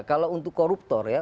kalau untuk koruptor ya